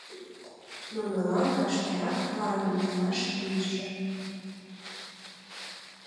Нунылан вашкерак планым темаш лийже.